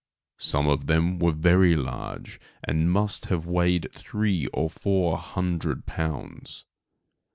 Some of them were very large, and must have weighed three or four hundred pounds.